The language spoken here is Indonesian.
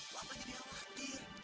kenapa jadi khawatir